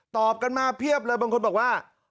ตอบกันมาเพียบเลยบางคนบอกว่า